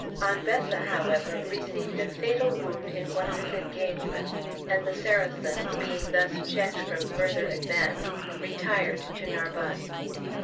Anbessa, however, received a fatal wound in one of his engagements, and the Saracens, being thus checked from further advance, retired to Narbonne.